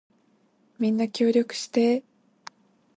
みんな協力してー